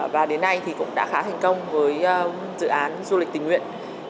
và đến nay thì cũng đã khá thành công với dự án du lịch tình nguyện